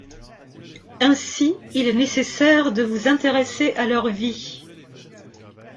Ainsi, il est nécessaire de vous intéresser à leurs vies.